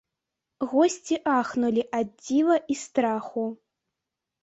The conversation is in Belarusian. Госці ахнулі ад дзіва і страху.